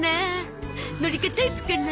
のりかタイプかな？